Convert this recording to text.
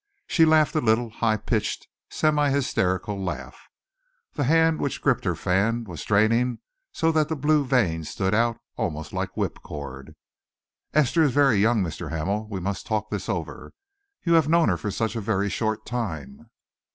She laughed a little a high pitched, semi hysterical laugh. The hand which gripped her fan was straining so that the blue veins stood out almost like whipcord. "Esther is very young, Mr. Hamel. We must talk this over. You have known her for such a very short time."